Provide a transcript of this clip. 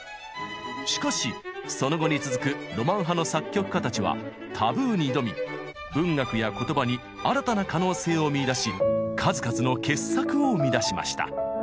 しかしその後に続くロマン派の作曲家たちはタブーに挑み文学や言葉に新たな可能性を見いだし数々の傑作を生み出しました。